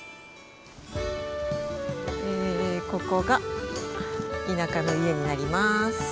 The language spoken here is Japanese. ここが田舎の家になります。